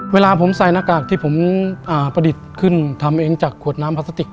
เวลาผมใส่หน้ากากที่ผมประดิษฐ์ขึ้นทำเองจากขวดน้ำพลาสติก